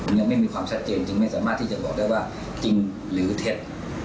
ยังไม่มีความชัดเจนจึงไม่สามารถที่จะบอกได้ว่าจริงหรือเท็จ